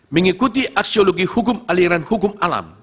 mengikuti aksiologi hukum aliran hukum alam